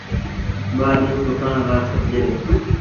ٻآ ڏيٚݩهݩ سُڪڻ لآ ڇڏجي دو۔